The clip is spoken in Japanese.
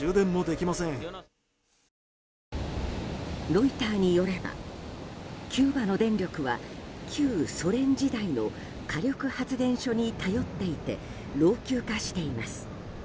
ロイターによればキューバの電力は旧ソ連時代の火力発電所に頼っていて老朽化しています。